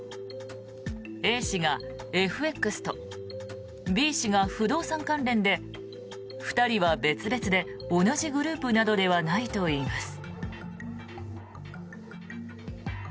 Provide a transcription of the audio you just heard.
Ａ氏がＦＸとＢ氏が不動産関連で２人は別々で同じグループなどではないといいます。